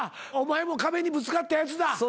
お前も壁にぶつかったやつだ。